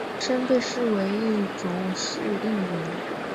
人参被珍视为一种适应原。